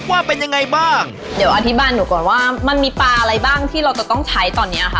ว่าเป็นยังไงบ้างเดี๋ยวอธิบายหนูก่อนว่ามันมีปลาอะไรบ้างที่เราจะต้องใช้ตอนเนี้ยค่ะ